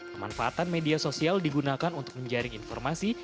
pemanfaatan media sosial digunakan untuk menjaring informasi